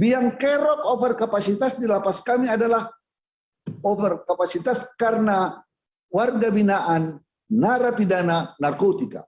yang kerok overkapasitas di lapas kami adalah overkapasitas karena warga binaan narapidana narkotika